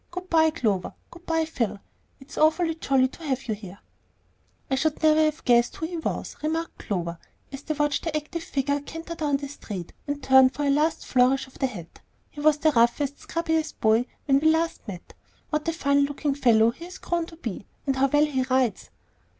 Good by, Clover; good by, Phil. It's awfully jolly to have you here." "I never should have guessed who it was," remarked Clover, as they watched the active figure canter down the street and turn for a last flourish of the hat. "He was the roughest, scrubbiest boy when we last met. What a fine looking fellow he has grown to be, and how well he rides!"